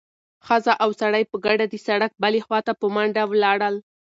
ښځه او سړی په ګډه د سړک بلې خوا ته په منډه لاړل.